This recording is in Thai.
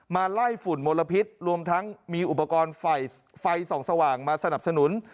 มาไล่ฝุ่นมลพิษรวมทั้งมีอุปกรณ์ไฟส่องสว่างมาสนับสนุน